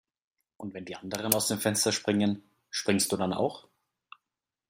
Und wenn die anderen aus dem Fenster springen, springst du dann auch?